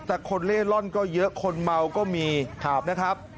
แต่คนเล่ร่อนก็เยอะคนเมาก็มีนะครับ